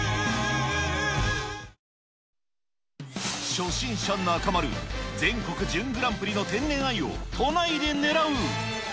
初心者中丸、全国準グランプリの天然あゆを都内で狙う。